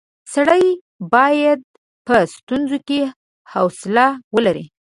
سړی باید په ستونزو کې حوصله ولري.